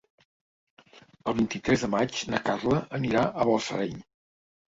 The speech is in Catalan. El vint-i-tres de maig na Carla anirà a Balsareny.